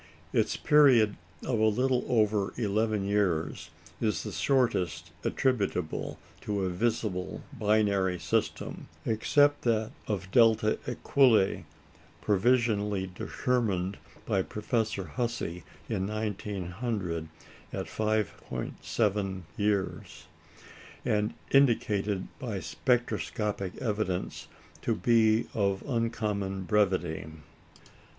Its period of a little over eleven years is the shortest attributable to a visible binary system, except that of Delta Equulei, provisionally determined by Professor Hussey in 1900 at 5·7 years, and indicated by spectroscopic evidence to be of uncommon brevity.